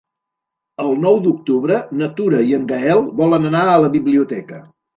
El nou d'octubre na Tura i en Gaël volen anar a la biblioteca.